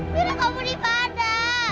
pira kamu dimana